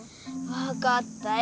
わかったよ。